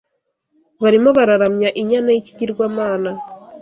Barimo bararamya inyana yikigirwamana